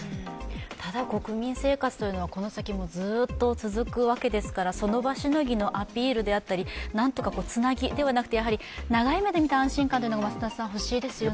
ただ、国民生活というのはこの先もずっと続くわけですからその場しのぎのアピールであったりつなぎ、やはり長い目で見て安心感というのが欲しいですよね。